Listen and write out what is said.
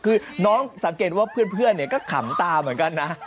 คือน้องสังเกตว่าเพื่อนก็ขำตาเหมือนกันนะ